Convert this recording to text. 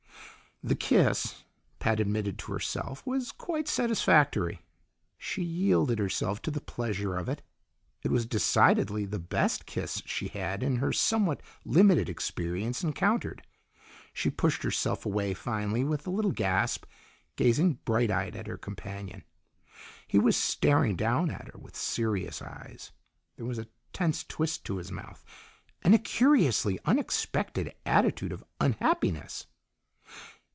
The kiss, Pat admitted to herself, was quite satisfactory. She yielded herself to the pleasure of it; it was decidedly the best kiss she had, in her somewhat limited experience, encountered. She pushed herself away finally, with a little gasp, gazing bright eyed at her companion. He was staring down at her with serious eyes; there was a tense twist to his mouth, and a curiously unexpected attitude of unhappiness.